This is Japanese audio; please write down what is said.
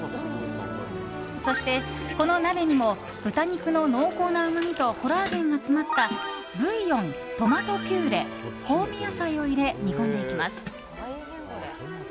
そして、この鍋にも豚肉の濃厚なうまみとコラーゲンが詰まったブイヨントマトピュレ、香味野菜を入れ煮込んでいきます。